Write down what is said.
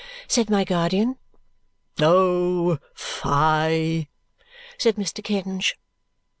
said my guardian. "Oh, fie!" said Mr. Kenge.